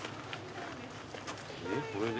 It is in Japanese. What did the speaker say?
えっこれで？